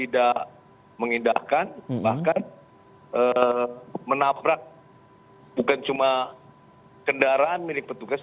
tidak mengindahkan bahkan menabrak bukan cuma kendaraan milik petugas